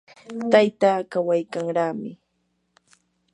tayta kawaykanraami.